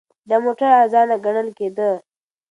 دا موټر ارزانه ګڼل کېده.